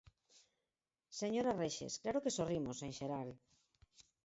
Señora Rexes, claro que sorrimos, en xeral.